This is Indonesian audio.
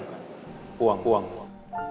kau disana terbaring nyata